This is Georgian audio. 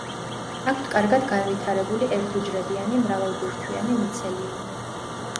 აქვთ კარგად განვითარებული ერთუჯრედიანი მრავალბირთვიანი მიცელიუმი.